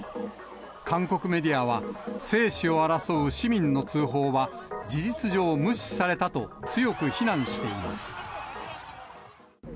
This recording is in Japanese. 韓国メディアは、生死を争う市民の通報は、事実上、無視されたと、強く非難しています。